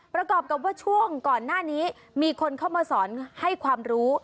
ประกอบกับว่าช่วงก่อนหน้านี้มีคนเข้ามาสอนให้ความรู้